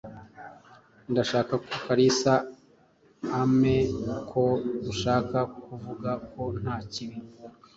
Ndashaka ko Kalisa amea ko dushaka kuvuga ko nta kibi.